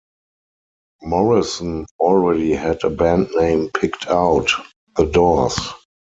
Morrison already had a band name picked out: The Doors.